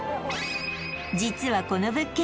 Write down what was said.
実はこの物件